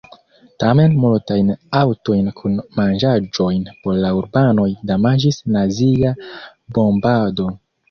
Tamen, multajn aŭtojn kun manĝaĵoj por la urbanoj damaĝis nazia bombado.